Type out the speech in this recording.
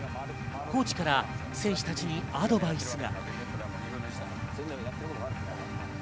コーチから選手たちにアドバイスが。